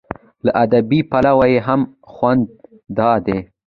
له ادبي پلوه یې هم خوند دا دی.